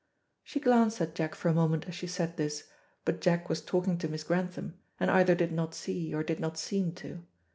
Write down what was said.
She glanced at Jack for a moment as she said this, but Jack was talking to Miss Grantham, and either did not see, or did not seem to.